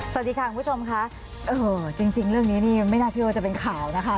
สวัสดีค่ะคุณผู้ชมค่ะเออจริงเรื่องนี้นี่ไม่น่าเชื่อว่าจะเป็นข่าวนะคะ